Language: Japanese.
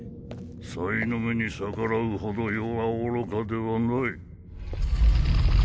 サイの目に逆らうほど余は愚かではない。